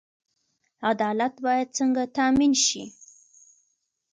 عدالت باید څنګه تامین شي؟